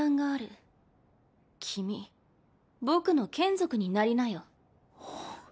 君僕の眷属になりなよ。